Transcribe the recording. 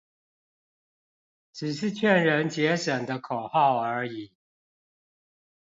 只是勸人節省的口號而已